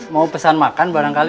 mau pesan makan barangkali